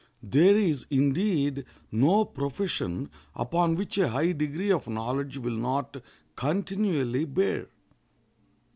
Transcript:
There is, indeed, no profession upon which a high degree of knowledge will not continually bear.